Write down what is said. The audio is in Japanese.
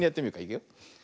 いくよ。